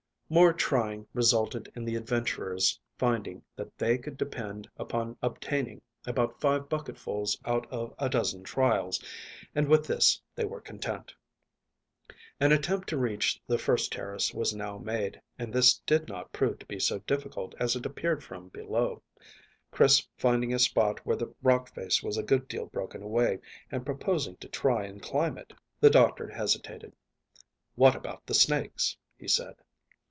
More trying resulted in the adventurers finding that they could depend upon obtaining about five bucketfuls out of a dozen trials, and with this they were content. An attempt to reach the first terrace was now made, and this did not prove to be so difficult as it appeared from below, Chris finding a spot where the rock face was a good deal broken away and proposing to try and climb it. The doctor hesitated. "What about the snakes?" he said.